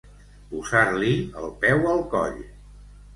Posar-li el peu al coll.